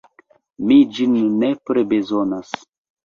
Mi ĝin nepre bezonas.